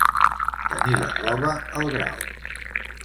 Tenir la roba al Grau.